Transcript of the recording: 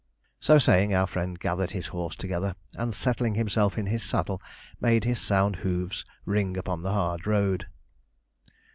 So saying, our friend gathered his horse together, and settling himself in his saddle, made his sound hoofs ring upon the hard road.